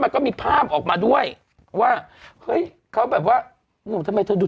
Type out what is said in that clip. มันก็มีภาพออกมาด้วยว่าเฮ้ยเขาแบบว่าหนุ่มทำไมเธอดู